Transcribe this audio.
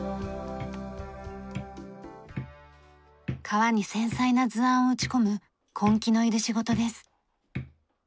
革に繊細な図案を打ち込む根気のいる仕事です。